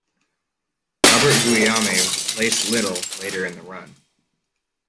Robert Guillaume replaced Little later in the run.